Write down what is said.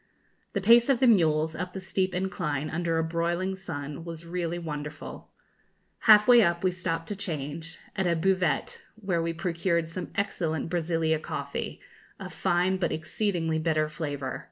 The pace of the mules, up the steep incline, under a broiling sun, was really wonderful. Half way up we stopped to change, at a buvette, where we procured some excellent Brazilia coffee, of fine but exceedingly bitter flavour.